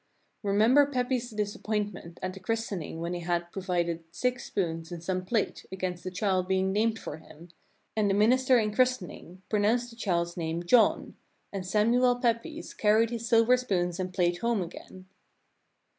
Remember Pepys' disappointment at the christening when he "had provided six spoons and some plate against the child being named for him, and the Minister in chris tening pronounced the child's name John," and Samuel Pepys carried his silver spoons and plate home again.